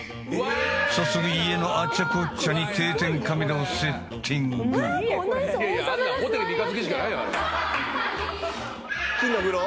早速家のあっちゃこっちゃに定点カメラをセッティング金の風呂？